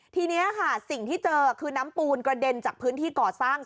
ทีนี้ค่ะสิ่งที่เจอคือน้ำปูนกระเด็นจากพื้นที่ก่อสร้าง